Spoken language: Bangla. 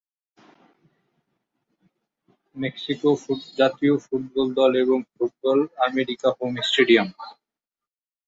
মেক্সিকো জাতীয় ফুটবল দল এবং ক্লাব আমেরিকার হোম স্টেডিয়াম।